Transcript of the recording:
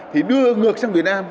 thì đưa ngược sang việt nam